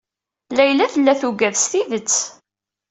Layla tella tuggad s tidet.